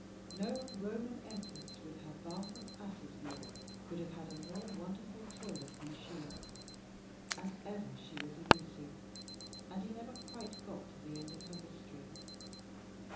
No Roman Empress with her bath of asses' milk could have had a more wonderful toilet than she. And ever she was illusive, and he never quite got to the end of her mystery.